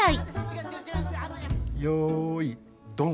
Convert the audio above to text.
よいドン。